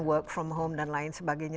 work from home dan lain sebagainya